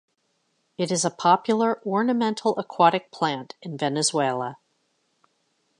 It is a popular ornamental aquatic plant in Venezuela.